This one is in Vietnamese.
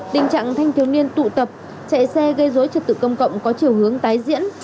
tình trạng thanh thiếu niên tụ tập chạy xe gây dối trật tự công cộng có chiều hướng tái diễn